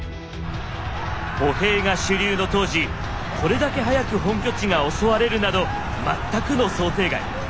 歩兵が主流の当時これだけはやく本拠地が襲われるなど全くの想定外。